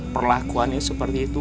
perlakuannya seperti itu